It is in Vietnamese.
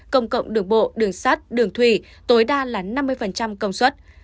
công cộng đường bộ đường sắt đường thủy tối đa là năm mươi công suất